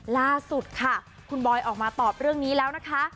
ล่าสุดค่ะคุณบอยออกมาตอบเรื่องนี้แล้วนะคะ